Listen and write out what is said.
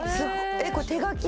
えっこれ手書き？